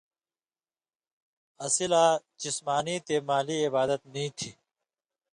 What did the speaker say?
اسی لا جِسمانی تے مالَیں عِبادت نی تھی